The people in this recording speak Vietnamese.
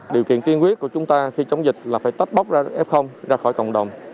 điều kiện tiên quyết của chúng ta khi chống dịch là phải tách bốc ra f ra khỏi cộng đồng